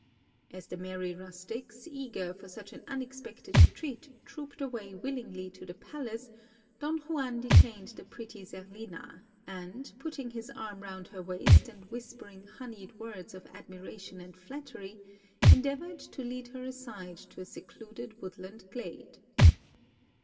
As the merry rustics, eager for such an unexpected treat, trooped away willingly to the palace, Don Juan detained the pretty Zerlina, and putting his arm round her waist and whispering honeyed words of admiration and flattery, endeavoured to lead her aside to a secluded woodland glade.